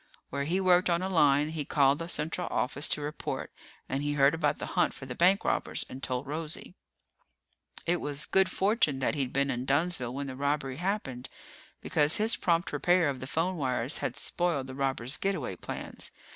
Where he worked on a line, he called the central office to report, and he heard about the hunt for the bank robbers, and told Rosie. It was good fortune that he'd been in Dunnsville when the robbery happened, because his prompt repair of the phone wires had spoiled the robbers' get away plans.